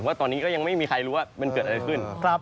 ว่าตอนนี้ก็ยังไม่มีใครรู้ว่ามันเกิดอะไรขึ้น